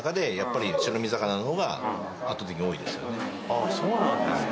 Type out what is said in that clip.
あそうなんですか。